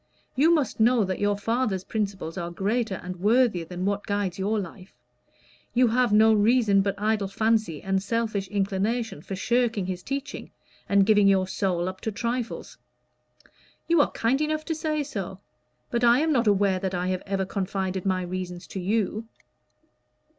You must know that your father's principles are greater and worthier than what guides your life. You have no reason but idle fancy and selfish inclination for shirking his teaching and giving your soul up to trifles." "You are kind enough to say so. But I am not aware that I have ever confided my reasons to you."